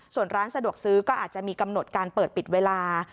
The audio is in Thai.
ส่วนร้านสะดวกซื้อก็อาจจะมีกำหนดการเปิดปิดเวลา